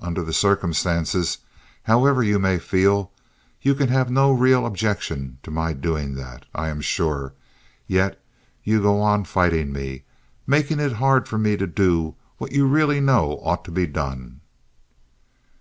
Under the circumstances, however you may feel, you can have no real objection to my doing that, I am sure; yet you go on fighting me—making it hard for me to do what you really know ought to be done."